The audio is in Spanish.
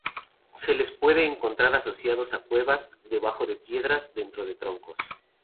Se les puede encontrar asociados a cuevas, debajo de piedras, dentro de troncos.